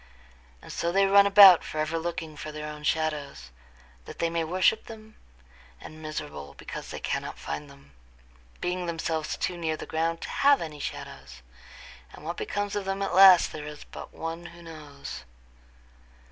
And so they run about forever looking for their own shadows, that they may worship them, and miserable because they cannot find them, being themselves too near the ground to have any shadows; and what becomes of them at last there is but one who knows.